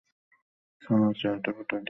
শালার চেহারা ফাটাই দিবো।